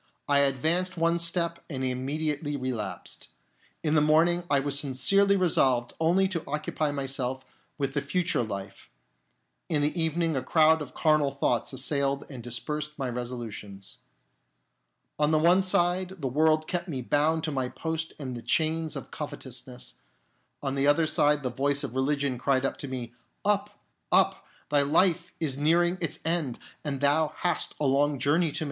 I .advanced one step and immediately relapsed. In the morning I was sincerely re solved only to occupy myself with the future life ; in the evening a crowd of carnal thoughts assailed and dispersed my resolutions. On the one side the world kept me bound to my post in the chains of covetousness, on the other side the voice of religion cried to me, " Up ! Up ! thy life is nearing its end, and thou hast a long journey to make.